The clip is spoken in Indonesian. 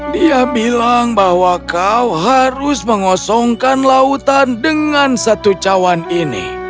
dia bilang bahwa kau harus mengosongkan lautan dengan satu cawan ini